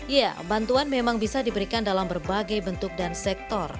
ya bantuan memang bisa diberikan dalam berbagai bentuk dan sektor